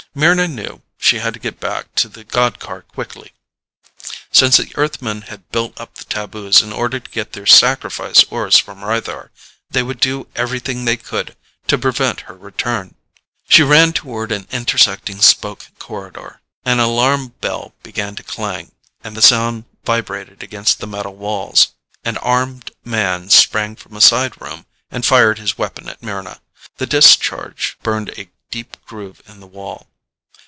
Mryna knew she had to get back to the god car quickly. Since the Earthmen had built up the taboos in order to get their sacrifice ores from Rythar, they would do everything they could to prevent her return. She ran toward an intersecting spoke corridor. An alarm bell began to clang, and the sound vibrated against the metal walls. An armed man sprang from a side room and fired his weapon at Mryna. The discharge burned a deep groove in the wall.